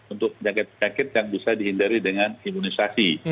untuk penyakit penyakit yang bisa dihindari dengan imunisasi